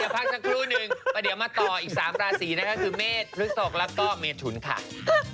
โปรดติดตามตอนต่อไป